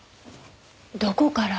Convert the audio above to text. どこから？